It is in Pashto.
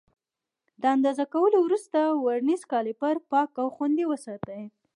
د اندازه کولو وروسته ورنیز کالیپر پاک او خوندي وساتئ.